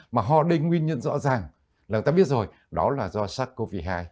mà ho đây nguyên nhân rõ ràng là người ta biết rồi đó là do sars cov hai